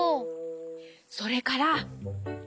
それから。